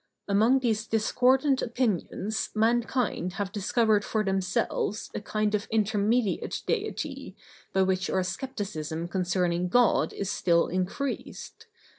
Among these discordant opinions mankind have discovered for themselves a kind of intermediate deity, by which our scepticism concerning God is still increased.